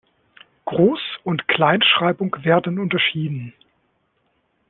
Groß- und Kleinschreibung werden unterschieden.